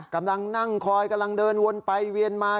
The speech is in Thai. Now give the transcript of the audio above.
กำลังนั่งคอยกำลังเดินวนไปเวียนมา